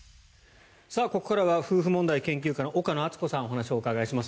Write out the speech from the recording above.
ここからは夫婦問題研究家の岡野あつこさんにお話をお伺いします。